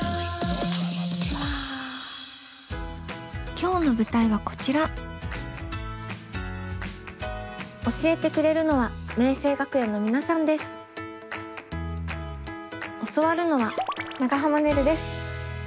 今日の舞台はこちら教えてくれるのは教わるのは長濱ねるです。